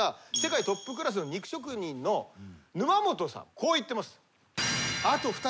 こう言ってます。